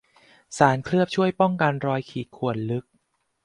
สารเคลือบช่วยป้องกันรอยขีดข่วนลึก